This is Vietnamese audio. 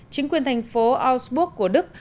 chính quyền thành phố augsburg của đức